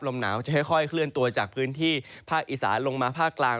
ลมหนาวจะค่อยเคลื่อนตัวจากพื้นที่ภาคอีสานลงมาภาคกลาง